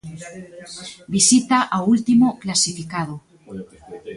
Visita ao último clasificado.